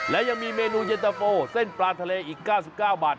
และยังมีเมนูเย็นตะโฟเส้นปลาทะเลอีก๙๙บาท